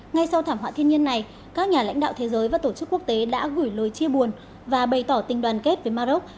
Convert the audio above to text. ngay sau thảm họa thiên nhiên này các nhà lãnh đạo thế giới và tổ chức quốc tế đã gửi lời chia buồn và bày tỏ tình đoàn kết với maroc